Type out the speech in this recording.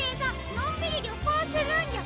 のんびりりょこうするんじゃ？